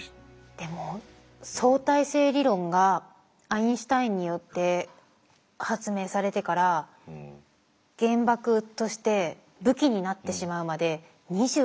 でも相対性理論がアインシュタインによって発明されてから原爆として武器になってしまうまで２５年しかたってないんですよ。